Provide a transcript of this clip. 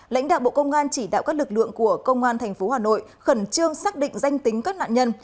lãnh đạo bộ công an chỉ đạo các lực lượng của công an tp hà nội khẩn trương xác định danh tính các nạn nhân